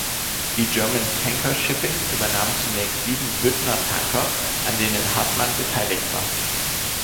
Die German Tanker Shipping übernahm zunächst sieben Büttner-Tanker, an denen Hartmann beteiligt war.